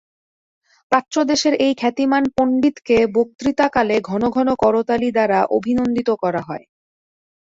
প্রাচ্যদেশের এই খ্যাতিমান পণ্ডিতকে বক্তৃতাকালে ঘন ঘন করতালি দ্বারা অভিনন্দিত করা হয়।